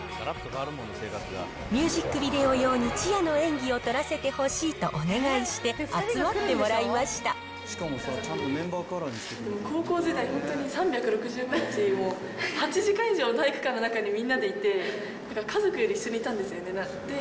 ミュージックビデオ用にチアの演技を撮らせてほしいとお願いして高校時代、本当に３６５日、もう８時間以上、体育館の中にみんなでいて、なんか家族より一緒にいたんですよね。